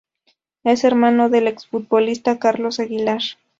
Es hermano del exfutbolista Carlos Aguiar.